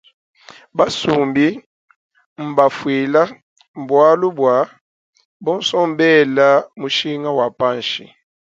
Basumbi mbafwila bwalubwa bonso mbela mushinga wa panshi.